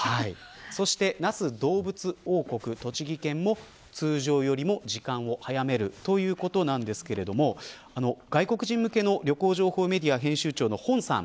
そして、那須どうぶつ王国こちらも通常より時間を早めるということですが外国人向けの旅行情報メディア編集長の洪さん